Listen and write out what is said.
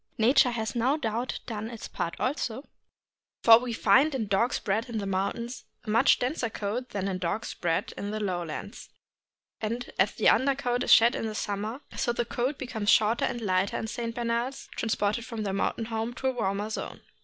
Nature has no doubt done its part also, for we find in dogs bred in the mountains a much denser coat than in dogs bred in the low lands; and, as the under coat is shed in summer, so the coat becomes shorter and lighter in St. Bernards transported from their mountain home into a warmer zone.